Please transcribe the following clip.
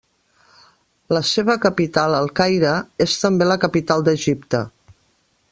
La seva capital, el Caire, és també la capital d'Egipte.